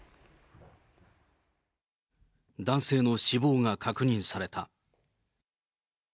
男性の死亡が確認された。